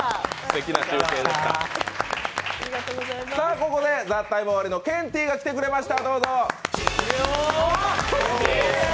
ここで「ＴＨＥＴＩＭＥ，」終わりのケンティーが来てくれました。